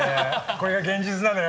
これが現実なのよ。